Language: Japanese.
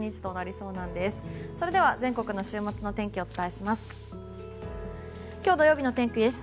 それでは全国の週末の天気をお伝えします。